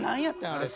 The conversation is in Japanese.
あれ。